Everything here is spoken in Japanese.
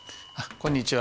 こんにちは。